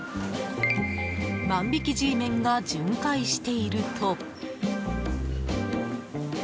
万引きＧメンが巡回していると。